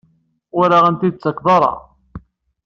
Ur aɣ-tent-id-tettakeḍ ara?